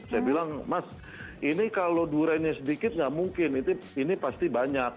saya bilang mas ini kalau duriannya sedikit nggak mungkin ini pasti banyak